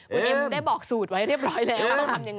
คุณเอ็มได้บอกสูตรไว้เรียบร้อยแล้ว